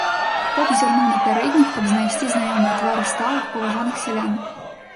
Поп зірнуў на пярэдніх, каб знайсці знаёмыя твары сталых, паважных сялян.